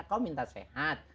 kau minta sehat